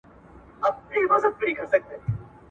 لاړ پر لاړ پېيلي غرونه .